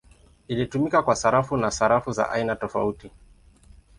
Ilitumika kwa sarafu na sarafu za aina tofauti.